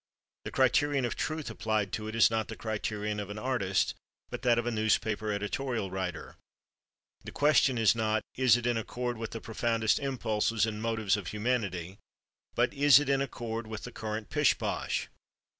The criterion of truth applied to it is not the criterion of an artist, but that of a newspaper editorial writer; the question is not, Is it in accord with the profoundest impulses and motives of humanity? but Is it in accord with the current pishposh?